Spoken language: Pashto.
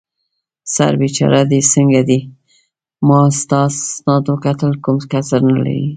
سر بېچاره دې څنګه دی؟ ما ستا اسناد وکتل، کوم کسر نه لرې.